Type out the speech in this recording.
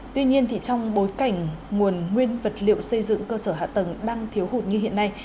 tuy nhiên trong bối cảnh nguồn nguyên vật liệu xây dựng cơ sở hạ tầng đang thiếu hụt như hiện nay